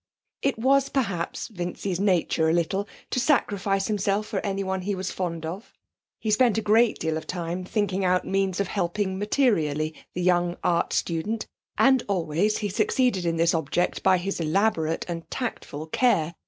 It was perhaps Vincy's nature, a little, to sacrifice himself for anyone he was fond of. He spent a great deal of time thinking out means of helping materially the young art student, and always he succeeded in this object by his elaborate and tactful care.